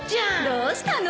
どうしたの？